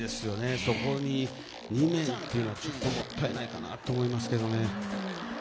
そこに２名というのはちょっともったいないかなと思いますけどね。